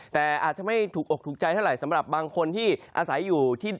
แต่อาจจะไม่ถูกอกถูกใจเท่าไหร่สำหรับบางคนที่อาศัยอยู่ที่